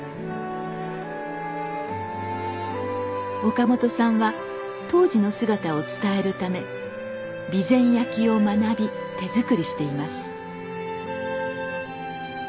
岡本さんは当時の姿を伝えるため備前焼を学び手作りしています。